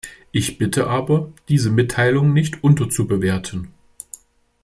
Ich bitte aber, diese Mitteilung nicht unterzubewerten.